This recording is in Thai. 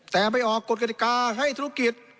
แต่ไปออกกฎกฎิกาให้ธุรกิจ